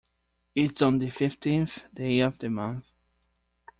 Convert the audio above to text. It's on the fifteenth day of the month.